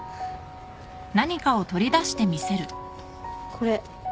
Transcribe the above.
これ。